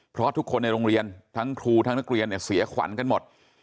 เพราะทุกคนในโรงเรียนทั้งครูทั้งนักเรียนเนี่ยเสียขวัญกันหมด